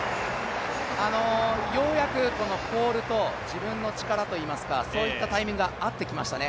ようやくポールと自分の力といいますか、そういったタイミングが合ってきましたね。